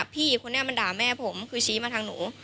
พี่คนนี้มันด่าแม่ผมคือชี้มาทางหนู